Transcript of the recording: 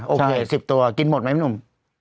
โอเค๑๐ตัวกินหมดไหมพี่หนุ่ม